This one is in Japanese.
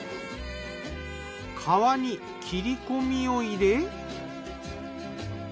皮に切り込みを入れ。